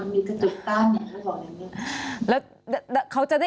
มีกระจกกั้นอย่างนี้อย่างนี้